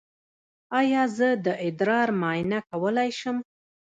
ایا زه د ادرار معاینه کولی شم؟